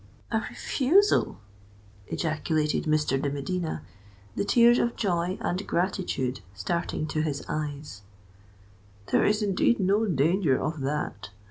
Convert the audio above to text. "A refusal!" ejaculated Mr. de Medina, the tears of joy and gratitude starting to his eyes: "there is indeed no danger of that!